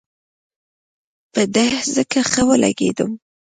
په ده ځکه ښه ولګېدم.